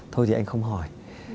thôi thì anh không hỏi